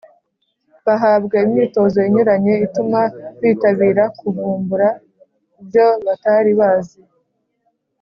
bahabwa imyitozo inyuranye ituma bitabira kuvumbura ibyo batari bazi